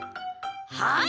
はい！